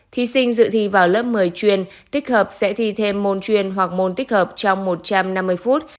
thí sinh dự thi vào lớp một mươi truyền tích hợp sẽ thi thêm môn chuyên hoặc môn tích hợp trong một trăm năm mươi phút